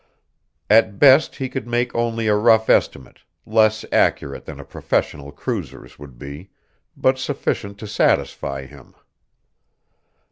At best he could make only a rough estimate, less accurate than a professional cruiser's would be, but sufficient to satisfy him.